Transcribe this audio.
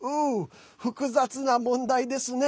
複雑な問題ですね。